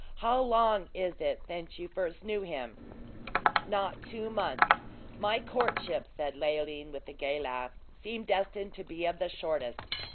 How long is it since you knew him first?" "Not two months. My courtships," said Leoline, with a gay laugh, "seem destined to be of the shortest.